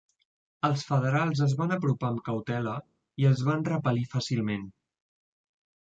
Els federals es van apropar amb cautela i els van repel·lir fàcilment.